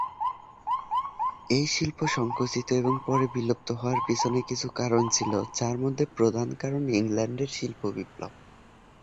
এই শিল্প সংকুচিত এবং পরে বিলুপ্ত হওয়ার পেছনে কিছু কারণ ছিল, যার মধ্যে প্রধান কারণ ইংল্যান্ডের শিল্প বিপ্লব।